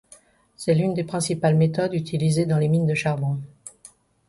C'est l'une des principales méthodes utilisées dans les mines de charbon.